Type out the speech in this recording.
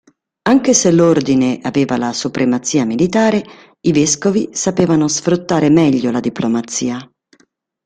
Anche se l'Ordine aveva la supremazia militare, i vescovi sapevano sfruttare meglio la diplomazia.